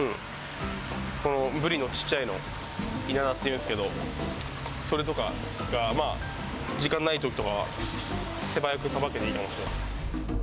このブリのちっちゃいの、イナダっていうんですけど、それとかが、まあ、時間ないときとかは、手早くさばけていいかもしれない。